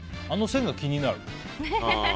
あの線が気になる。